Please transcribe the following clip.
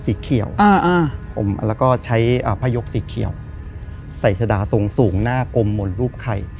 ใส่ชะดาสูงหน้ากรมม็นรูปใคร